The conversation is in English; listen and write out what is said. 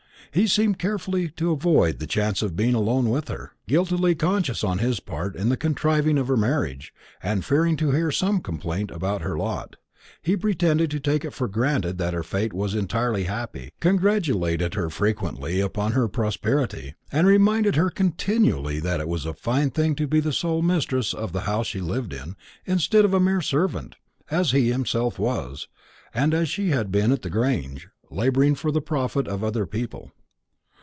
He seemed carefully to avoid the chance of being alone with her, guiltily conscious of his part in the contriving of her marriage, and fearing to hear some complaint about her lot. He pretended to take it for granted that her fate was entirely happy, congratulated her frequently upon her prosperity, and reminded her continually that it was a fine thing to be the sole mistress of the house she lived in, instead of a mere servant as he himself was, and as she had been at the Grange labouring for the profit of other people.